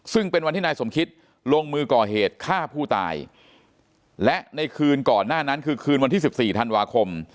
ซึ่งเป็นวันที่นายสมคิตลงมือก่อเหตุฆ่าผู้ตายและในคืนก่อนหน้านั้นคือคืนวันที่๑๔ธันวาคม